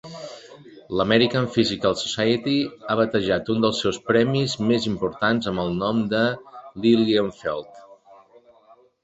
L'American Physical Society ha batejat un dels seus premis més importants amb el nom de Lilienfeld.